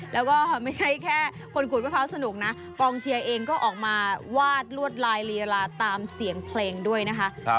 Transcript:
แล้วก็ไม่ใช่แค่คนกวดมะพร้าวสนุกนะกองเชียร์เองก็ออกมาวาดลวดลายลีลาตามเสียงเพลงด้วยนะคะ